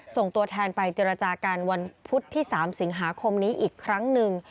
ส่งตัวแทนไปเจรจากันวันพุธที่๓สิงหาคมนี้อีกครั้งหนึ่ง